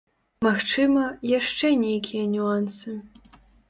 Магчыма, яшчэ нейкія нюансы.